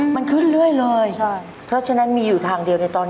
มันขึ้นเรื่อยเลยเพราะฉะนั้นมีอยู่ทางเดียว